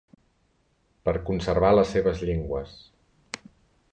per conservar les seves llengües